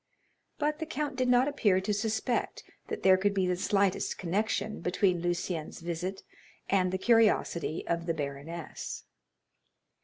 But the count did not appear to suspect that there could be the slightest connection between Lucien's visit and the curiosity of the baroness.